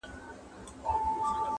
له ارغوان تر لاله زار ښکلی دی!